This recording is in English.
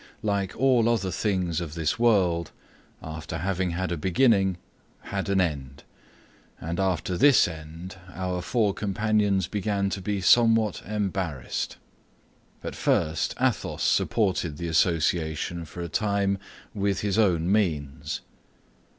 like all other things of this world, after having had a beginning had an end, and after this end our four companions began to be somewhat embarrassed. At first, Athos supported the association for a time with his own means.